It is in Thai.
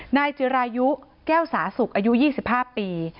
นายจิรายุแก้วสาสุกอายุ๒๕ปี